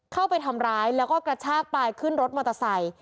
เข้าไปทำร้ายแล้วก็กระชากปลายขึ้นรถมอเตอร์ไซค์